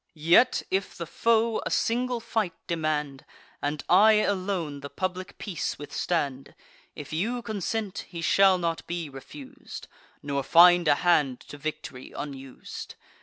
Yet, if the foe a single fight demand, And I alone the public peace withstand; If you consent, he shall not be refus'd, Nor find a hand to victory unus'd.